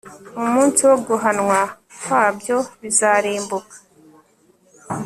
umunsi wo guhanwa kwabyo bizarimbuka